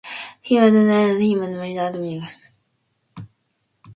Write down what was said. He was signed by Alan Pardew, his last manager at Newcastle.